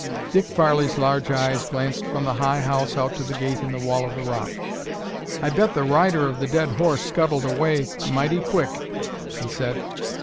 Dick Farley's large eyes glanced from the high house out to the gate in the wall of rock. "I bet the rider of the dead horse scuttled away mighty quick," he said.